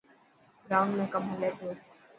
گرائونڊ ۾ ڪم هلي پيو.